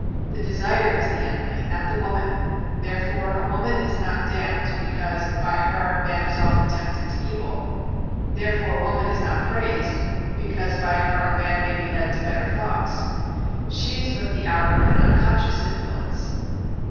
The desire is the enemy, not the woman; therefore a woman is not damned because by her man is often tempted to evil; therefore a woman is not praised because by her a man may be led to better thoughts. She is but the outer and unconscious influence.